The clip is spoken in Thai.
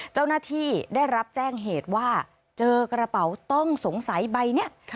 เจ้าหน้าที่ได้รับแจ้งเหตุว่าเจอกระเป๋าต้องสงสัยใบนี้